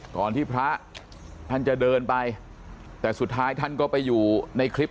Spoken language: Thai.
ก่อนที่พระท่านจะเดินไปแต่สุดท้ายท่านก็ไปอยู่ในคลิป